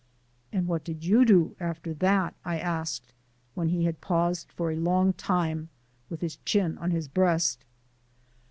"And what did you do after that?" I asked, when he had paused for a long time with his chin on his breast.